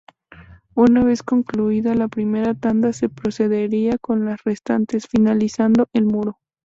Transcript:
Una vez concluida la primera tanda se procedería con las restantes, finalizando el muro.